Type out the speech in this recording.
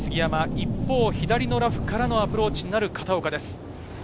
一方、左のラフからのアプローチになる片岡です。